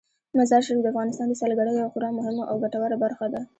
مزارشریف د افغانستان د سیلګرۍ یوه خورا مهمه او ګټوره برخه ده.